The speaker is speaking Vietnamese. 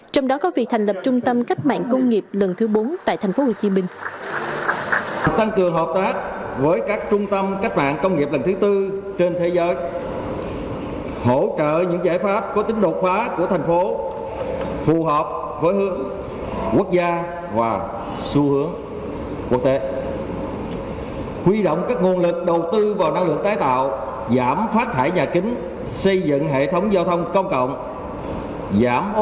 trong đó có việc thành lập trung tâm cách mạng công nghiệp lần thứ bốn tại tp hcm